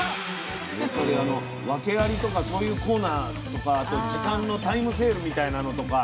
やっぱりあの訳ありとかそういうコーナーとかあと時間のタイムセールみたいなのとか。